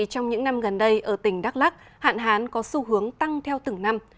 trong những năm gần đây ở tỉnh đắk lắc hạn hán có xu hướng tăng theo từng năm